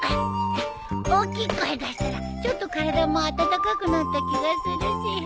大きい声出したらちょっと体も温かくなった気がするし。